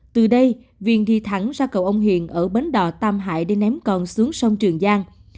từ đây viên đi thẳng ra cầu ông hiền ở bến đò tam hải để ném con xuống sông trường giang